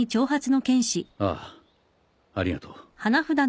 ああありがとう。